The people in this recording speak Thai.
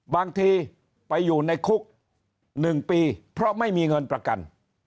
บางทีไปอยู่ในคุก๑ปีเพราะไม่มีเงินประกัน